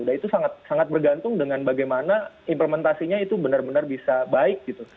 dan itu sangat bergantung dengan bagaimana implementasinya itu benar benar bisa baik gitu